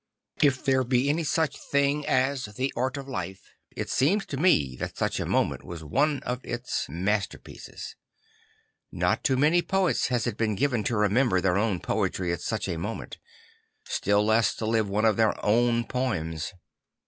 If there be any such thing as the art of life, it seems to me that such a moment was one of its 'Ihe Little Poor lan 10 7 masterpieces. l' ot to many poets has it been given to remember their own poetry at such a moment, still less to live one of their own poems.